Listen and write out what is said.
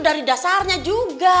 dari dasarnya juga